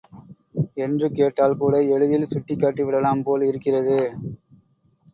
என்று கேட்டால் கூட எளிதில் சுட்டிக்காட்டி விடலாம் போல் இருக்கிறது.